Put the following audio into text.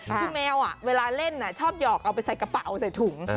คือแมวเวลาเล่นชอบหยอกเอาไปใส่กระเป๋าใส่ถุง